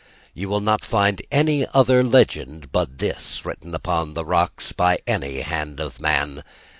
You will not find any other legend but this written upon the rocks by any hand of man.